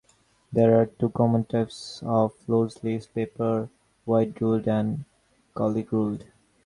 There are two common types of loose leaf paper: wide ruled and college ruled.